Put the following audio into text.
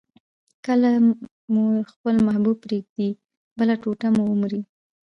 کله چي مو خپل محبوب پرېږدي، بله ټوټه مو ومري.